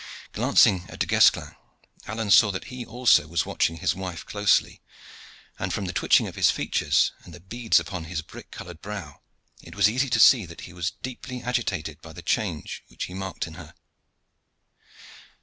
Glancing at Du Guesclin, Alleyne saw that he also was watching his wife closely, and from the twitching of his features, and the beads upon his brick colored brow, it was easy to see that he was deeply agitated by the change which he marked in her.